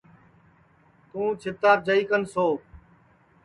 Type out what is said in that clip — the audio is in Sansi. تُوں چھتاپ جائی کن سو